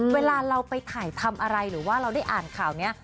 เวลาเราไปถ่ายทำอะไรหรือว่าเราได้อ่านข่าวนี้